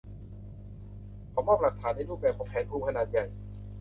เขามอบหลักฐานในรูปแบบของแผนภูมิขนาดใหญ่